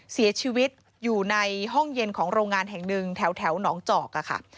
เสียชีวิตอยู่ในห้องเย็นของโรงงานแห่งหนึ่งแถวหนองจอกค่ะ